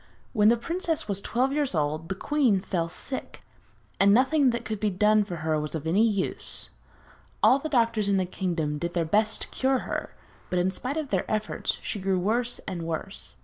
When the princess was twelve years old the queen fell sick, and nothing that could be done for her was of any use. All the doctors in the kingdom did their best to cure her, but in spite of their efforts she grew worse and worse.